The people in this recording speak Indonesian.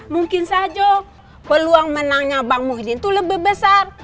mungkin saja peluang menangnya bang muhjin itu lebih besar